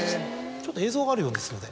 ちょっと映像があるようですので。